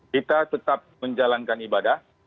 kita tetap menjalankan ibadah